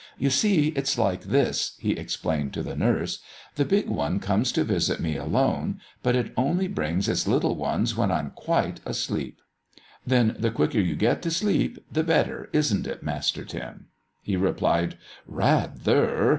"You see, it's like this," he explained to the nurse: "The big one comes to visit me alone, but it only brings its little ones when I'm quite asleep." "Then the quicker you get to sleep the better, isn't it, Master Tim?" He replied: "Rather!